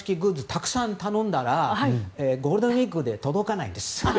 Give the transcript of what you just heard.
たくさん頼んだらゴールデンウィークで届かないんです。